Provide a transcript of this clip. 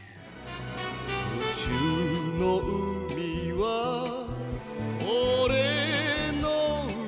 宇宙の海はおれの海